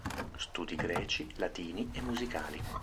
Studi greci, latini e musicali.